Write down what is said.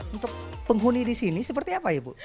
untuk penghuni di sini seperti apa ya bu